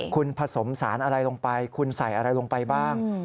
คุณผสมสารอะไรลงไปคุณใส่อะไรลงไปบ้าง